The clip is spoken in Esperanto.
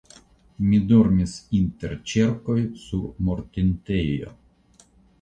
Mi dormis inter ĉerkoj sur mortintejo.